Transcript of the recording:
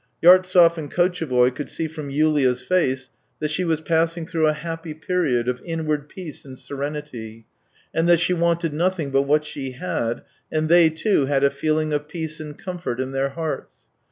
Yartsev and Kotchevoy could see from Yulia's face that she was passing through a happy period of inward peace and serenity, that she wanted nothing but what she had, and they, too, had a feeling of peace and comfort in their hearts.